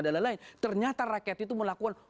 dan lain lain ternyata rakyat itu melakukan